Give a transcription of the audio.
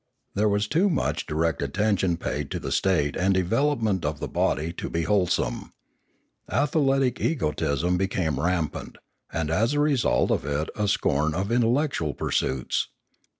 There was too much direct attention paid to the state and development of the body to be wholesome. Athletic egotism became rampant, and as a result of it a scorn of intellectual pursuits.